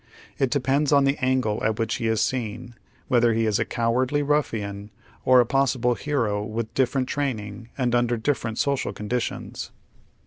It depends on the angle at which he is seen, whether he is a cowardly niffiiiii, or a possible hero with different training and under different social conditions.